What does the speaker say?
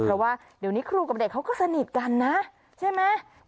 เพราะว่าเดี๋ยวนี้ครูกับเด็กเขาก็สนิทกันนะใช่ไหม